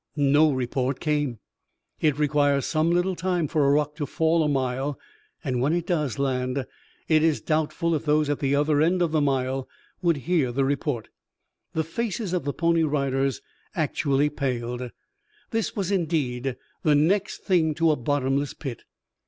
No report came. It requires some little time for a rock to fall a mile, and when it does land it is doubtful if those at the other end of the mile would hear the report. The faces of the Pony Riders actually paled. This was indeed the next thing to a bottomless pit.